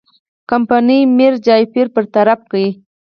کمپنۍ میرجعفر برطرف کړ.